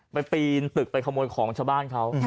ปีนตึกไปขโมยของชาวบ้านเขา